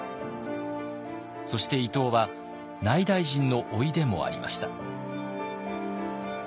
そして伊東は内大臣の甥でもありました。